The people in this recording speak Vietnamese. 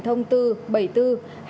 thông tư bảy mươi bốn hai nghìn hai mươi